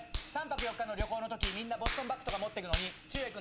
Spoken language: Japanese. ３泊４日の旅行のときみんなボストンバッグとか持ってくのにちゅうえい